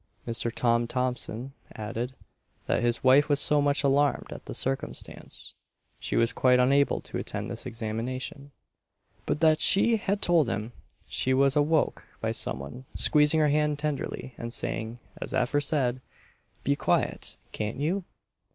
Mr. Tom Thompson added, that his wife was so much alarmed at the circumstance, she was quite unable to attend this examination; but that she had told him she was awoke by some one squeezing her hand tenderly, and saying, as aforesaid, "Be quiet can't you?"